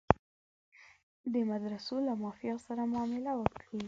د مدرسو له مافیا سره معامله وکړي.